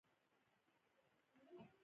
ځکه په دغه فلم کښې هم